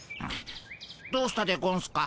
どうしたでゴンスか？